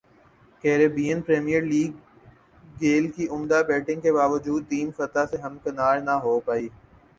Caribbean Premier League Gayle کی عمدہ batting کے باوجود ٹیم فتح سے ہمکنار نہ ہو پائی